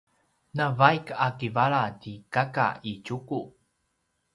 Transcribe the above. navaik a kivala ti kaka i Tjuku